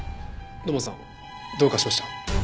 土門さんどうかしました？